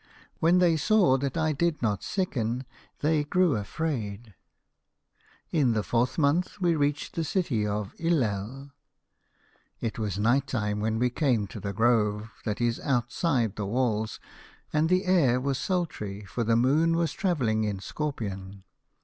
When they saw that I did not sicken they grew afraid. 90 The Fisherman and his Soul. "In the fourth month we reached the city of Illel. It was night time when we came to the grove that is outside the walls, and the air was sultry, for the Moon was travelling in Scorpion.